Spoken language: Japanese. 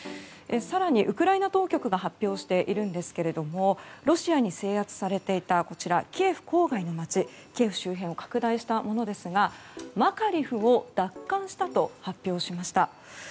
更に、ウクライナ当局が発表していますがロシアに制圧されていたキエフ郊外の街キエフ周辺を拡大したものですがマカリフを奪還したと発表しました。